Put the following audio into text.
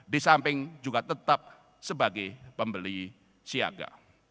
di samping juga tetap sebagai pembeli siaga